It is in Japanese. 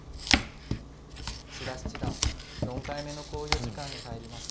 千田七段４回目の考慮時間に入りました。